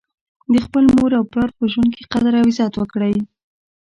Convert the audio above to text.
د خپل مور او پلار په ژوند کي قدر او عزت وکړئ